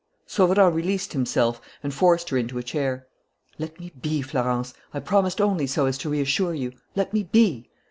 Sauverand released himself and forced her into a chair. "Let me be, Florence. I promised only so as to reassure you. Let me be."